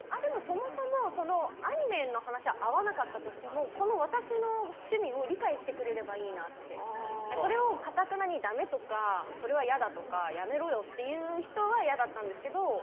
そもそも、アニメの話は合わなかったとしても私の趣味を理解してくれればいいなって。それをかたくなにダメとかそれは嫌だとかやめろよっていう人は嫌だったんですけど。